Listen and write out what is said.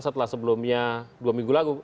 setelah sebelumnya dua minggu lalu